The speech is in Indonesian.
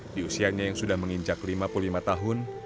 di usianya yang sudah menginjak lima puluh lima tahun